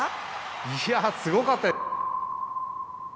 いやすごかった。